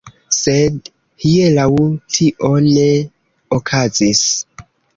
Sed, hieraŭ, tio ne okazis.